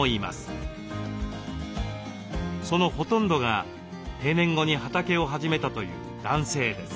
そのほとんどが定年後に畑を始めたという男性です。